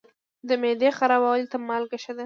د معدې خرابوالي ته مالګه ښه ده.